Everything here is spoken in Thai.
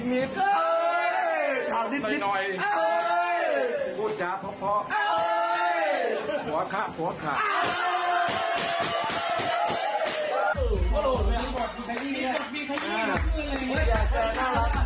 มีแฟนคับด้วยพี่ชัดพี่ชัด